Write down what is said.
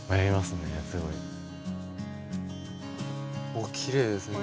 あっきれいですね。